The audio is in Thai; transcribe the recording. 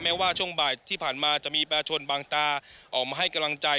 ว่าช่วงบ่ายที่ผ่านมาจะมีแปรชนบางตาออกมาให้กำลังใจ